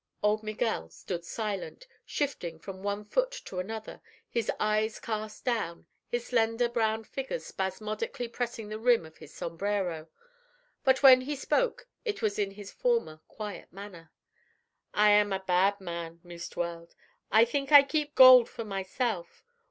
Old Miguel stood silent, shifting from one foot to another, his eyes cast down, his slender brown fingers spasmodically pressing the rim of his sombrero. But when he spoke it was in his former quiet manner. "I am a bad man, Meest Weld. I theenk I keep gold for myself.